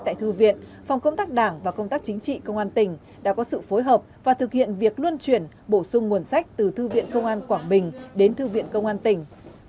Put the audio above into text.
tại thư viện phòng công tác đảng và công tác chính trị công an tỉnh đã có sự phối hợp và thực hiện việc luân chuyển bổ sung nguồn sách từ thư viện công an quảng bình đến thư viện công an tỉnh